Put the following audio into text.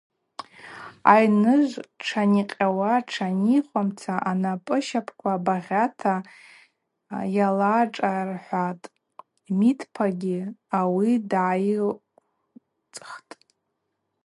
Айныжв тшаникъьауа-тшанихуамца йнапӏы-щапӏква багъьата йалашӏархӏватӏ, Мидпагьи ауи дгӏайыквцӏхтӏ.